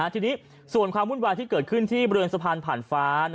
ทีนี้ส่วนความวุ่นวายที่เกิดขึ้นที่บริเวณสะพานผ่านฟ้า